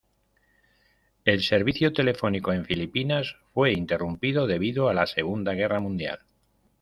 El servicio telefónico en Filipinas fue interrumpido debido a la Segunda Guerra Mundial.